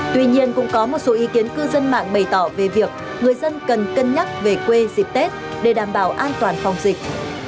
tuy nhiên cũng có một số ý kiến cư dân mạng bày tỏ về việc người dân cần cân nhắc về quê dịp tết để đảm bảo an toàn phòng dịch